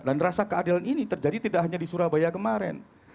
dan rasa keadilan ini terjadi tidak hanya di surabaya kemarin